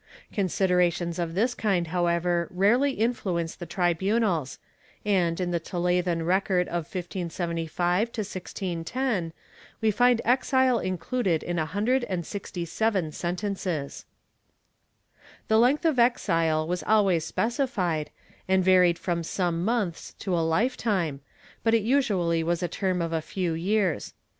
Considera tions of this kind, however, rarely influenced the tribunals and, in the Toledan record of 1575 1610 we find exile included in a hundred and sixty seven sentences. The length of exile was always specified, and varied from some months to a life time, but it usually was a term of a few years.